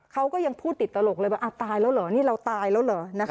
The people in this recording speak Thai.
เขาก็ยังพูดติดตลกเลยว่าตายแล้วเหรอนี่เราตายแล้วเหรอ